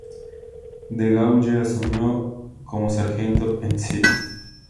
De Gaulle asumió como sargento en St.